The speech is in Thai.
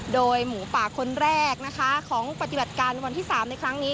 โดยหมูป่าคนแรกนะคะของปฏิบัติการวันที่๓ในครั้งนี้